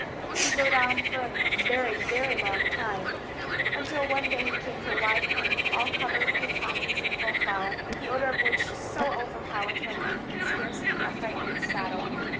He rode on for a very, very long time, till one day he came into a wide plain, all covered with poppies in full flower, the odour of which so overpowered him, that he could scarce keep upright in his saddle.